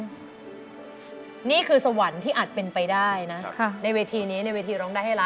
ของคุณธิดาดวงดาวที่อาจเป็นไปได้นะ